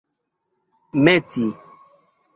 meti